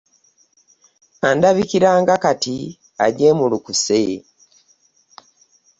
Andabikira nga kati ajeemulukuse.